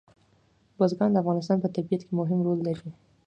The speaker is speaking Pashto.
بزګان د افغانستان په طبیعت کې مهم رول لري.